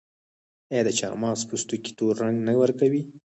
آیا د چارمغز پوستکي تور رنګ نه ورکوي؟